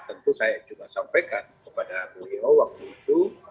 tentu saya juga sampaikan kepada beliau waktu itu